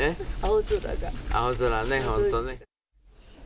青空ね、本当ね。